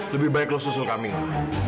lebih baik kamu susul kamila